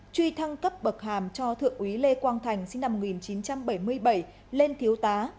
truy thăng cấp bậc hàm cho thượng úy lê quang thành sinh năm một nghìn chín trăm bảy mươi bảy lên thiếu tá